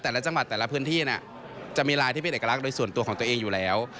แต่ละจังหวัดแต่ละพื้นที่จะมีลายที่เป็นเอกลักษณ์โดยส่วนตัวของตัวเองอยู่แล้ว